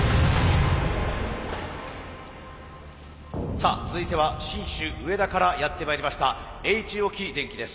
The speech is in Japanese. さあ続いては信州上田からやってまいりましたＨ置電機です。